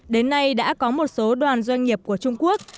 đến nay đã có một số đoàn doanh nghiệp của trung quốc